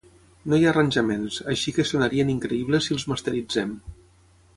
No hi ha arranjaments, així que sonarien increïbles si els masteritzem.